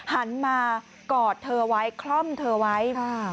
หันมากอดเธอไว้คล่อมเธอไว้